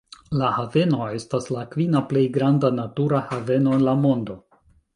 La haveno estas la kvina plej granda natura haveno en la mondo.